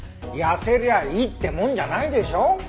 痩せりゃあいいってもんじゃないでしょ。